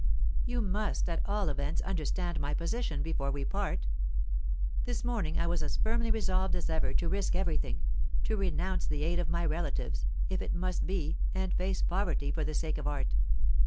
"You must, at all events, understand my position before we part. This morning I was as firmly resolved as ever to risk everything, to renounce the aid of my relatives if it must be and face poverty for the sake of art.